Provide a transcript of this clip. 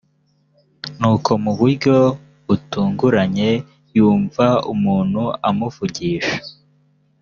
nuko mu buryo butunguranye yumva umuntu amuvugisha